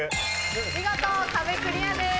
見事壁クリアです。